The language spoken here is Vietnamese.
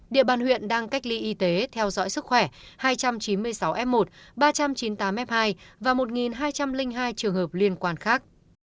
địa bàn huyện đang cách ly y tế theo dõi sức khỏe hai trăm chín mươi sáu f một ba trăm chín mươi tám f hai và một hai trăm linh hai trường hợp liên quan khác